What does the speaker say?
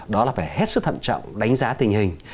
đó là phải hết sức thận trọng đánh giá tình hình